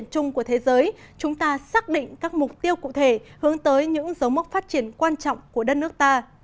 chúng ta xác định các mục tiêu cụ thể hướng tới những dấu mốc phát triển quan trọng của đất nước ta